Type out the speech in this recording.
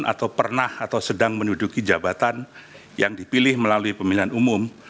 atau pernah atau sedang menduduki jabatan yang dipilih melalui pemilihan umum